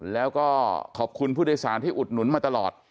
แล้วก็ขอบคุณผู้โดยสารที่อุดหนุนมาตลอด